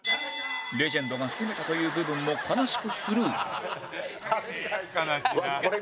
レジェンドが攻めたという部分も悲しくスルー